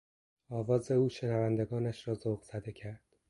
آواز او شنوندگانش را ذوق زده کرد.